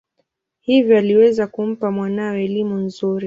Hivyo aliweza kumpa mwanawe elimu nzuri.